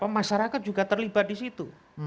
masyarakat juga terlibat di situ